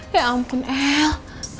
ya ampun el